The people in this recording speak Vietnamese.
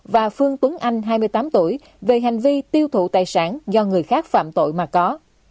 và phương tuấn anh hai mươi tám tuổi về hành vi tiêu thụ tài sản do người khác phạm tội mà có